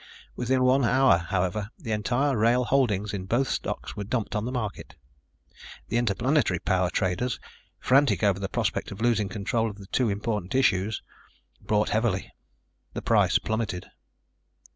Within one hour, however, the entire Wrail holdings in both stocks were dumped on the market. The Interplanetary Power traders, frantic over the prospect of losing control of the two important issues, bought heavily. The price plummeted.